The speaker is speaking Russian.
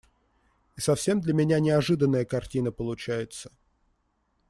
И совсем для меня неожиданная картина получается.